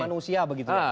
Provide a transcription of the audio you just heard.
ulah manusia begitu ya